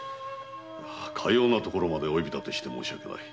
かような所までお呼びだてして申し訳ない。